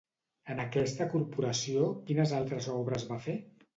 En aquesta corporació, quines altres obres va fer?